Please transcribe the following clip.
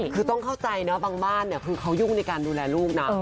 คือต้องเข้าใจนะบางบ้านเนี่ยคือเขายุ่งในการดูแลลูกนะ